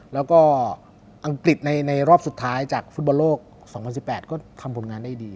แล้วก็อังกฤษในรอบสุดท้ายจากฟุตบอลโลก๒๐๑๘ก็ทำผลงานได้ดี